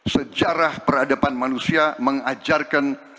sejarah peradaban manusia mengajarkan